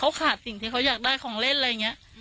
เขาขาดสิ่งที่เขาอยากได้ของเล่นอะไรอย่างนี้